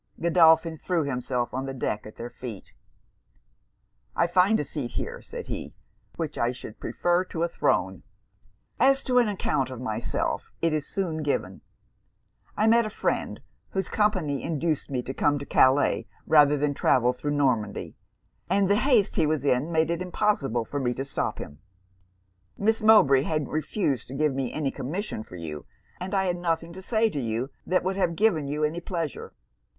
Godolphin threw himself on the deck at their feet. 'I find a seat here,' said he, 'which I should prefer to a throne. As to an account of myself, it is soon given. I met a friend, whose company induced me to come to Calais rather than travel thro' Normandy; and the haste he was in made it impossible for me to stop him. Miss Mowbray had refused to give me any commission for you; and I had nothing to say to you that would have given you any pleasure.